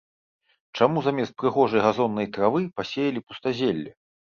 Чаму замест прыгожай газоннай травы пасеялі пустазелле?